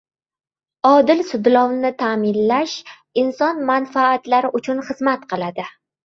Odil sudlovni ta’minlash - inson manfaatlari uchun xizmat qiladi